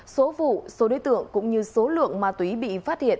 số vụ số đối tượng cũng như số lượng ma túy bị phát hiện